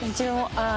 「ああ」